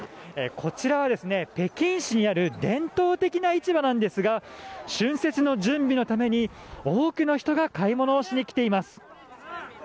こちらは北京市にある伝統的な市場ですが春節の準備のために多くの人が買い物をしに来ています。